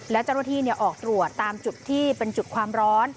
และเจ้าหน้าที่ออกตรวจตามจุดที่เป็นจุดความร้อน